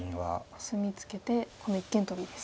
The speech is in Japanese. コスミツケてこの一間トビですね。